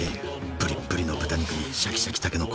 ぶりっぶりの豚肉にシャキシャキたけのこ。